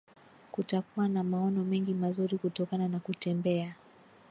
Kutakuwa na maono mengi mazuri kutokana na kutembea